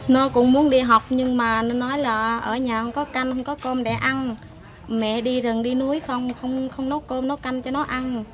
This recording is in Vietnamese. nó cũng muốn đi học nhưng mà nó nói là ở nhà không có canh không có cơm để ăn mẹ đi rừng đi núi không nốt cơm nấu canh cho nó ăn